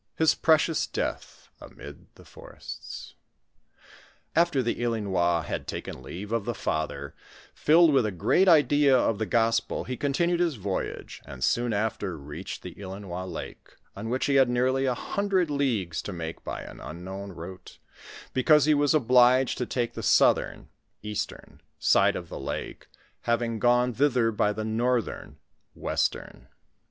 — HIS PRECIOUS DEATH AMID THE FORESTS. Afteb the Ilinois had taken leave of the father, filled with a great idea of the gospel, he continued his voyage, and soon after reached the Ilinois lake, on which he had nearly a hun dred leagues to make by an unknown route, because he was obliged to take the southern [eastern] side of the lake, hav ing gone thither by the northern [westera].